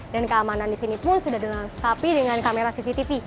dan keamanan di sini pun sudah dengan tapi dengan kamera cctv